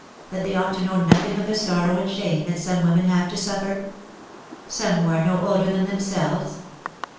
That they ought to know nothing of the sorrow and shame that some women have to suffer. Some who are no older than themselves?"